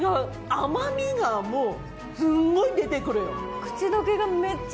甘みがもう、すごい出てくるよ。